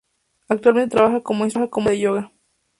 Actualmente trabaja como instructora de yoga.